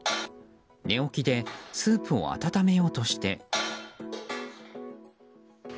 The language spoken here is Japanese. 寝起きでスープを温めようとして。